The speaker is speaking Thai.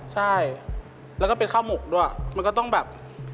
ใช่แล้วก็เป็นข้าวหมกด้วยมันก็ต้องแบบ